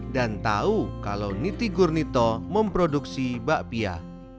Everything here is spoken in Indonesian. dan tahu kalau niti gurnito memproduksi bakpia